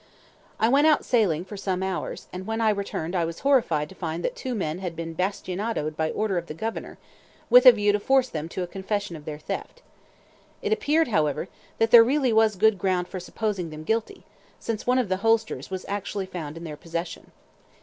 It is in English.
I went out sailing for some hours, and when I returned I was horrified to find that two men had been bastinadoed by order of the Governor, with a view to force them to a confession of their theft. It appeared, however, that there really was good ground for supposing them guilty, since one of the holsters was actually found in their possession.